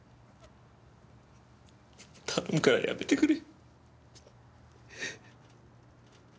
頼むからやめてくれ。